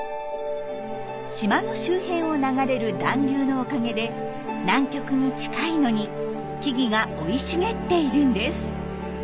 島の周辺を流れる暖流のおかげで南極に近いのに木々が生い茂っているんです。